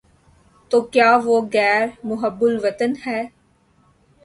تو کیا وہ غیر محب وطن ہے؟